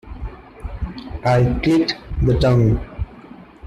I clicked the tongue.